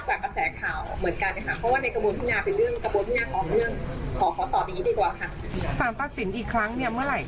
ในวันนี้ยังก็จะทราบจากกระแสข่าวเหมือนกันนะคะ